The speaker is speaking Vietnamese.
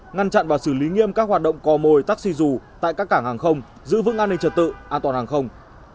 ngăn chặn và xử lý nghiêm các hoạt động cò mồi taxi dù tại các cảng hàng không giữ vững an ninh trật tự an toàn hàng không